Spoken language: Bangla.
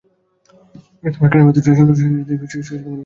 তোমার কানের ভেতরকার যন্ত্রটা সরিয়ে নিলেই তুমি স্মৃতি ফিরে পাবে।